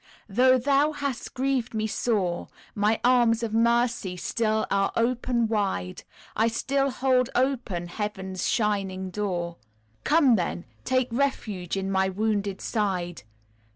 "Though thou hast grieved me sore, My arms of mercy still are open wide, I still hold open Heaven's shining door, Come then take refuge in My wounded side.